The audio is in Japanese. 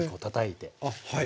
はい。